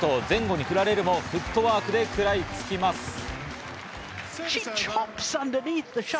前後に振られるもフットワークで食らいつきます。